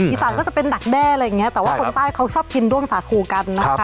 อีสานก็จะเป็นดักแด้อะไรอย่างเงี้แต่ว่าคนใต้เขาชอบกินด้วงสาคูกันนะคะ